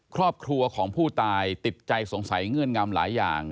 ครอบครัวของผู้ตายติดใจสงสัยเงื่อนงำหลายอย่าง